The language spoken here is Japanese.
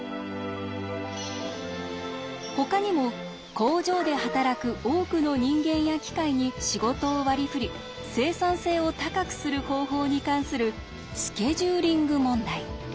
ほかにも工場で働く多くの人間や機械に仕事を割り振り生産性を高くする方法に関する「スケジューリング問題」。